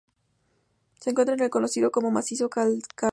Se encuentran en el conocido como Macizo Calcáreo.